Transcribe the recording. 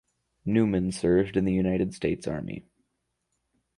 Newman served in the United States Army.